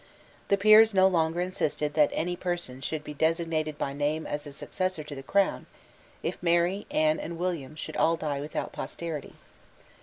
The peers no longer insisted that any person should be designated by name as successor to the crown, if Mary, Anne and William should all die without posterity.